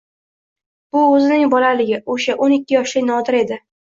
Bu o‘zining bolaligi, o‘sha, o‘n ikki yoshli Nodir edi.